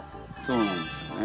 そうなんですよね。